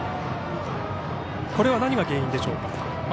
これは何が原因でしょうか。